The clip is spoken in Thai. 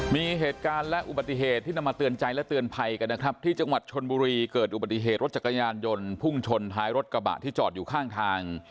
มีเหตุการณ์และอุบัติเหตุที่นำมาเตือนใจและเตือนภัยกันนะครับที่จังหวัดชนบุรีเกิดอุบัติเหตุรถจักรยานยนต์พุ่งชนท้ายรถกระบะที่จอดอยู่ข้างทาง